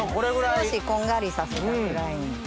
少しこんがりさせたぐらいに。